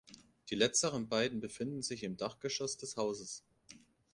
Die letzteren beiden befinden sich im Dachgeschoss des Hauses.